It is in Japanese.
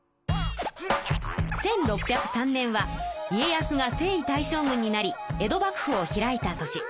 １６０３年は家康が征夷大将軍になり江戸幕府を開いた年。